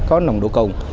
có nồng độ cầu